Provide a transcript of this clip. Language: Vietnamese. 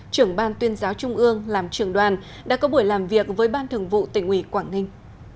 trưởng ban tuyên giáo trung ương làm trưởng đoàn đã có buổi làm việc với ban thường vụ tỉnh ủy quảng ninh